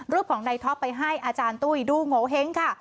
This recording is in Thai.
รูปของในท็อปไปให้อาจารย์ตุ้ยด้าง๒๐๓๐ค่ะ